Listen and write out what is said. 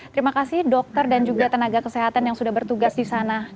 terima kasih dokter dan juga tenaga kesehatan yang sudah bertugas di sana